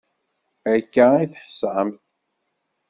Akka i teḥṣamt.